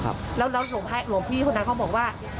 แล้วเราขอให้อโลมพี่คนนั้นเขาบอกว่า